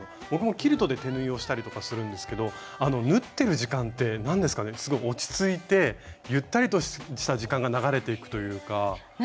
僕もキルトで手縫いをしたりとかするんですけどあの縫ってる時間って何ですかねすごい落ち着いてゆったりとした時間が流れていくというか。